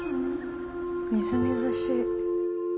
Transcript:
みずみずしい。